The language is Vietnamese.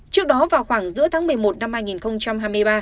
trước đó vào khoảng giữa tháng một mươi một năm hai nghìn hai mươi ba